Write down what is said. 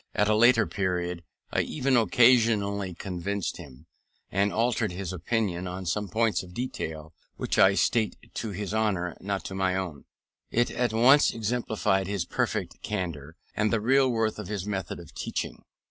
At a later period I even occasionally convinced him, and altered his opinion on some points of detail: which I state to his honour, not my own. It at once exemplifies his perfect candour, and the real worth of his method of teaching.